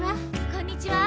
こんにちは。